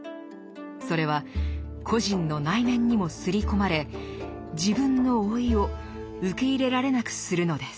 それは個人の内面にも刷り込まれ自分の老いを受け入れられなくするのです。